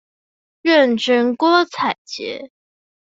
願君郭采潔